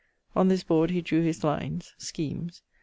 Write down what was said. On this board he drew his lines (schemes).